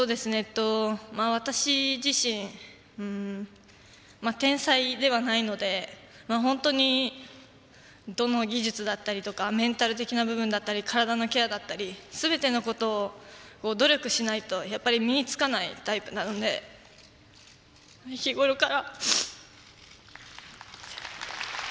私自身、天才ではないので本当にどの技術だったりメンタル的な部分だったり体のケアだったりすべてのことを努力しないとやっぱり身につかないタイプなので日ごろから。